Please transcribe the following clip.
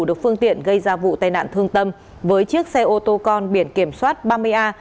được phương tiện gây ra vụ tai nạn thương tâm với chiếc xe ô tô con biển kiểm soát ba mươi a sáu mươi một nghìn năm trăm tám mươi năm